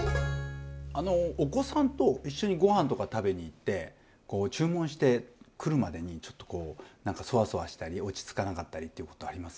あのお子さんと一緒にご飯とか食べに行って注文して来るまでにちょっとこうなんかそわそわしたり落ち着かなかったりってことあります？